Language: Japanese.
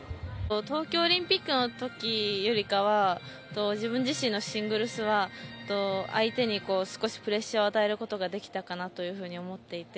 東京オリンピックのときよりかは自分自身のシングルスは相手に少しプレッシャーを与えることができたかなと思っていて。